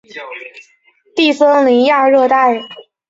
其自然栖息地为亚热带或热带的湿润低地森林。